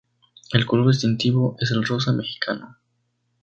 El color distintivo es el rosa mexicano.